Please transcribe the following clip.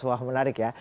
wah menarik ya